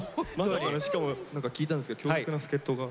しかも何か聞いたんですけど強力な助っとが？